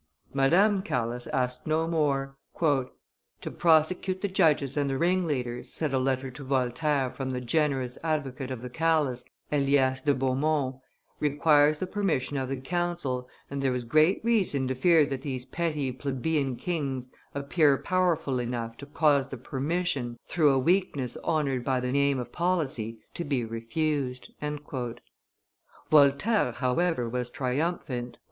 Madame Calas asked no more. "To prosecute the judges and the ringleaders," said a letter to Voltaire from the generous advocate of the Calas, Elias de Beaumont, "requires the permission of the council, and there is great reason to fear that these petty plebeian kings appear powerful enough to cause the permission, through a weakness honored by the name of policy, to be refused." Voltaire, however, was triumphant.